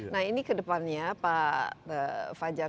nah ini ke depannya pak fajar